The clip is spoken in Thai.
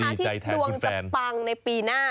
ดีใจแทนคุณแฟนที่ดวงจับปังในปีหน้า